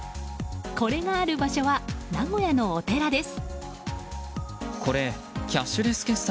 これがある場所は名古屋のお寺です。